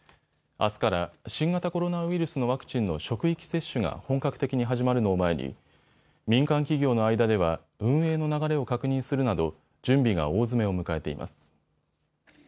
あすから新型コロナウイルスのワクチンの職域接種が本格的に始まるのを前に民間企業の間では運営の流れを確認するなど準備が大詰めを迎えています。